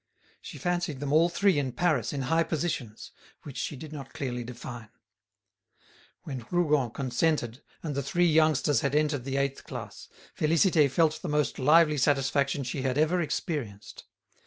She fancied them all three in Paris in high positions, which she did not clearly define. When Rougon consented, and the three youngsters had entered the eighth class, Félicité felt the most lively satisfaction she had ever experienced.